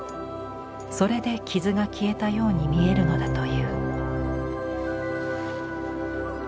それで傷が消えたように見えるのだという。